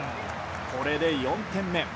これで、４点目。